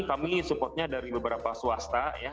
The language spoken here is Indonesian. kami supportnya dari beberapa swasta ya